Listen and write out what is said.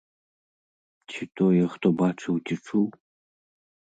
Ці тое хто бачыў ці чуў?